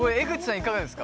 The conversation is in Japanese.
いかがですか？